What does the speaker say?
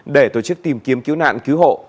để tổ chức tìm kiếm cứu nạn cứu hộ